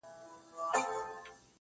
د امیدونو ساحل!